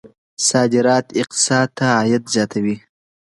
صادرات اقتصاد ته عاید زیاتوي.